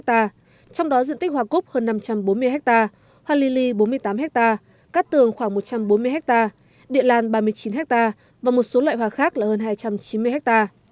trong đó diện tích hoa cúc hơn năm trăm bốn mươi ha hoa ly bốn mươi tám hectare cát tường khoảng một trăm bốn mươi ha địa lan ba mươi chín ha và một số loại hoa khác là hơn hai trăm chín mươi ha